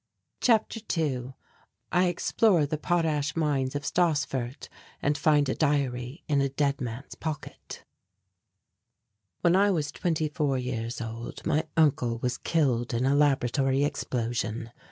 CHAPTER II I EXPLORE THE POTASH MINES OF STASSFURT AND FIND A DIARY IN A DEAD MAN'S POCKET ~1~ When I was twenty four years old, my uncle was killed in a laboratory explosion.